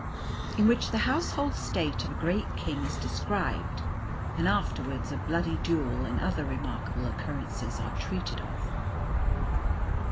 IN WHICH THE HOUSEHOLD STATE OF A GREAT KING IS DESCRIBED; AND AFTERWARDS A BLOODY DUEL AND OTHER REMARKABLE OCCURRENCES ARE TREATED OF.